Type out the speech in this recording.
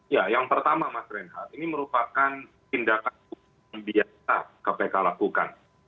ya yang pertama mas reinhardt ini merupakan tindakan yang biasa kpk lakukan